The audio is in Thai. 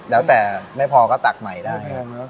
แล้วแต่ไม่พอก็ตักใหม่ได้